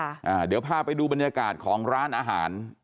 อ่าเดี๋ยวพาไปดูบรรยากาศของร้านอาหาร